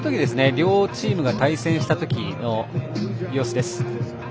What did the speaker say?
両チームが対戦した時に様子です。